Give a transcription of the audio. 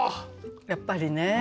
やっぱりね。